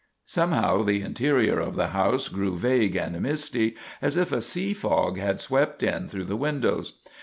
Somehow the interior of the house grew vague and misty, as if a sea fog had swept in through the windows.